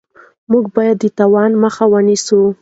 موږ باید د تاوان مخه ونیسو.